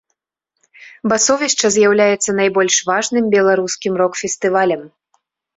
Басовішча з'яўляецца найбольш важным беларускім рок-фестывалем.